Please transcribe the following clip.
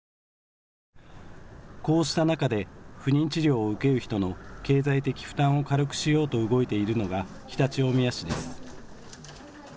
こうした中で不妊治療を受ける人の経済的負担を軽くしようと動いているのが常陸大宮市です。